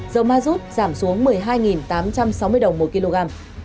dầu mazut giảm xuống một mươi hai tám trăm sáu mươi đồng mỗi kg